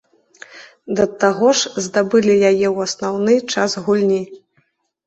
Да таго ж, здабылі яе ў асноўны час гульні.